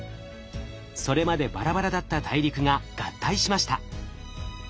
それまでバラバラだった大陸が合体しました。